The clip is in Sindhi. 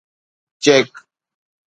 چيڪ